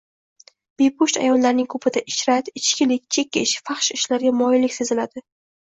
Bepusht ayollarning ko‘pida ishrat, ichkilik, chekish, fahsh ishlarga moyillik seziladi.